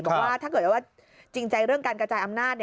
บอกว่าถ้าเกิดว่าจริงใจเรื่องการกระจายอำนาจ